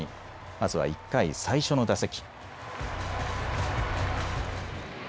まずは１回、最初の打席。